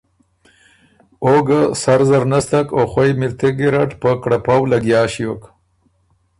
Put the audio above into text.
او ګۀ سر زر نستک او خوئ مِلتِغ ګیرډ په کړپؤ لګیا ݭیوک۔